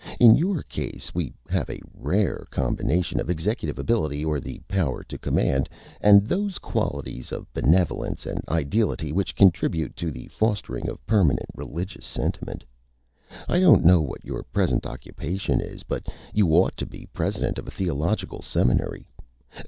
In your Case we have a Rare Combination of Executive Ability, or the Power to Command, and those Qualities of Benevolence and Ideality which contribute to the fostering of Permanent Religious Sentiment. I don't know what your present Occupation is, but you ought to be President of a Theological Seminary.